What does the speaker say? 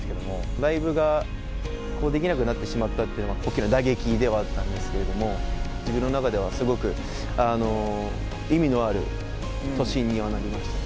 ライブができなくなってしまったっていうのは大きな打撃ではあったんですけれども、自分の中ではすごく意味のある年にはなりましたね。